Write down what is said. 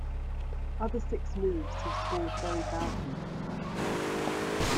Other sixth moves have scored very badly for White.